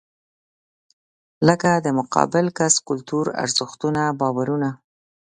لکه د مقابل کس کلتور، ارزښتونه، باورونه .